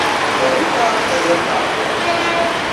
Ja rukāt, tad rukāt.